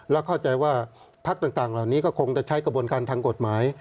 และเข้าใจว่าพักต่างเหล่านี้ก็คงจะใช้กระบวนการทางกฎหมาย